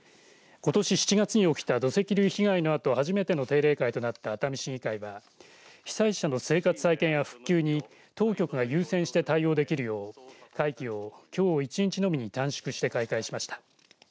ことし７月に起きた土石流被害のあと初めての定例会となった熱海市議会は被災者の生活再建や復旧に当局が優先して対応できるよう会期をきょう１日のみに短縮して開会しました。